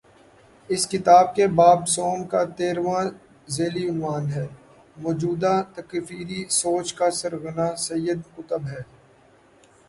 اس کتاب کے باب سوم کا تیرھواں ذیلی عنوان ہے: موجودہ تکفیری سوچ کا سرغنہ سید قطب ہے۔